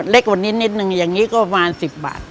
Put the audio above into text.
เล็กกว่านี้นิดนึงอย่างนี้ก็ประมาณ๑๐บาท